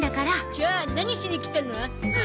じゃあ何しに来たの？